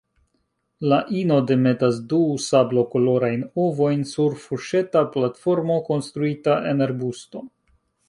La ino demetas du sablokolorajn ovojn sur fuŝeta platformo konstruita en arbusto.